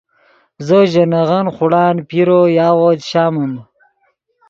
زو ژے نغن خوڑان پیرو یاغو چے شامم